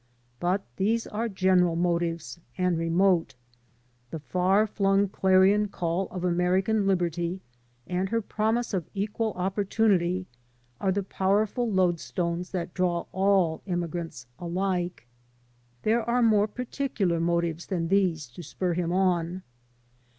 But these are general motives and remote. The far flung clarion call of American liberty and her promise of equal opportunity are the powerful lodestohes that draw all immigrants alike. There are more particular motives than these to spur him on.